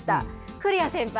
古谷先輩